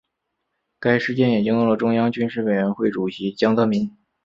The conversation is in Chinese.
该事件也惊动了中央军事委员会主席江泽民。